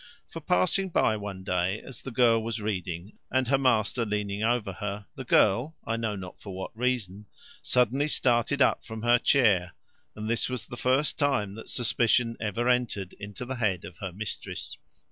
For, passing by one day, as the girl was reading, and her master leaning over her, the girl, I know not for what reason, suddenly started up from her chair: and this was the first time that suspicion ever entered into the head of her mistress.